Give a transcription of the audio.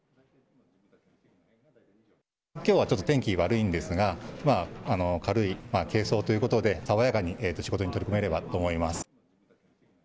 きょうはちょっと天気、悪いんですが軽装で爽やかに仕事に取り組めればと思います。